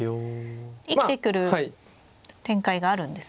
生きてくる展開があるんですね。